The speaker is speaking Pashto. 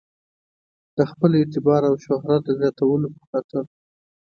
د خپل اعتبار او شهرت د زیاتولو په خاطر.